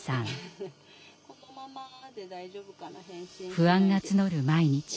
不安が募る毎日。